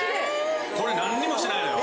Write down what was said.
これ何にもしてないのよ。